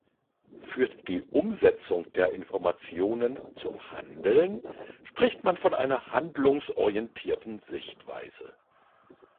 Führt die Umsetzung der Informationen zum Handeln, spricht man von einer handlungsorientierten Sichtweise.